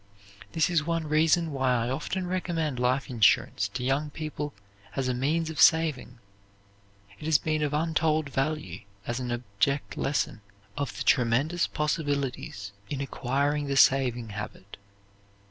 This is one reason why I often recommend life insurance to young people as a means of saving. It has been of untold value as an object lesson of the tremendous possibilities in acquiring the saving habit.